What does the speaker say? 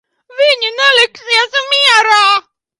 Viņi neliksies mierā.